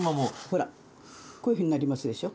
ほらこういうふうになりますでしょ。